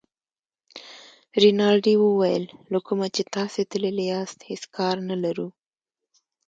رینالډي وویل له کومه چې تاسي تللي یاست هېڅ کار نه لرو.